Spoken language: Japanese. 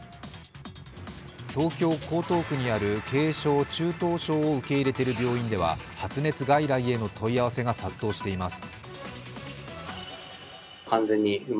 東京・江東区にある軽症・中等症を受け入れている病院では発熱外来への問い合わせが殺到しています。